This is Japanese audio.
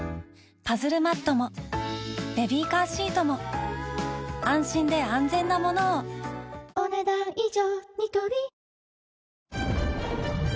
パズルマットもベビーカーシートも安心で安全なものをお、ねだん以上。